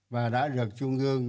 và đã được trung ương